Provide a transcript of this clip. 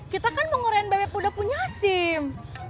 kita kan mau ngorein bebek udah punya sim